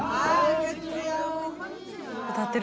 歌ってる。